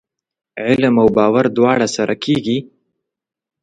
علم او باور دواړه سره کېږي ؟